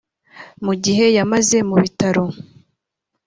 Mu gihe yamaze mu bitaro